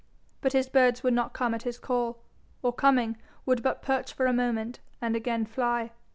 But his birds would not come at his call, or coming would but perch for a moment, and again fly.